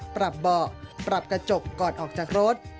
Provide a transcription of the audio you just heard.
เบาะปรับกระจกก่อนออกจากรถ